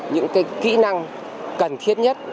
những kỹ năng cần thiết